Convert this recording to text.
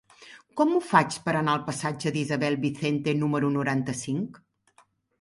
Com ho faig per anar al passatge d'Isabel Vicente número noranta-cinc?